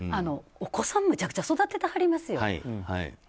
お子さんめちゃくちゃ育ててはりますよ。